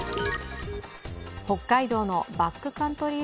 北海道のバックカントリー